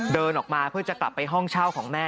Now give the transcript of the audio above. เดินออกมาเพื่อจะกลับไปห้องเช่าของแม่